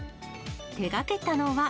手がけたのは。